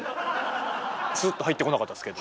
スーッと入ってこなかったですけど。